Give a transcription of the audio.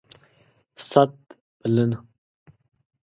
ست ... بلنه